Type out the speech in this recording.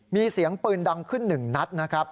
มีเสียงปืนดังขึ้น๑นัดนะครับ